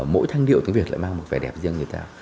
mỗi thanh điệu tiếng việt lại mang một vẻ đẹp riêng như thế nào